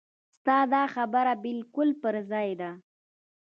ستا دا خبره بالکل پر ځای ده.